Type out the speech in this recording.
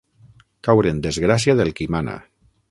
Caure en desgràcia del qui mana.